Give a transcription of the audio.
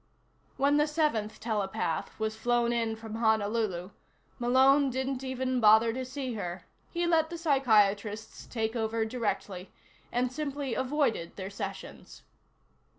When the seventh telepath was flown in from Honolulu, Malone didn't even bother to see her. He let the psychiatrists take over directly, and simply avoided their sessions.